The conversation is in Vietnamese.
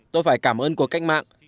tôi phải cảm ơn của cách mạng